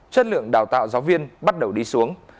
chất lượng đào tạo giáo viên bắt đầu đi xuống